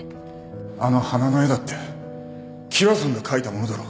あの花の絵だって喜和さんが描いたものだろう